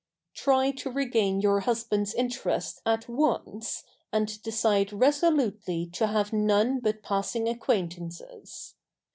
Try to regain your husband's interest at once, and decide resolutely to have none but passing acquaintances.